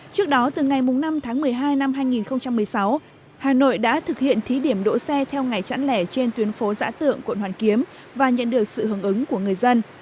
trước đó từ ngày năm tháng một mươi hai năm hai nghìn một mươi sáu hà nội đã thực hiện thí điểm đỗ xe theo ngày chẵn lẻ trên tuyến phố giã tượng quận hoàn kiếm và nhận được sự hướng ứng của người dân